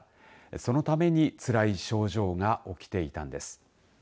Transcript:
そのためにつらい症状が起きていたんです。